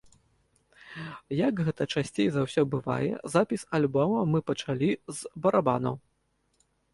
Як гэта часцей за ўсё бывае, запіс альбома мы пачалі з барабанаў.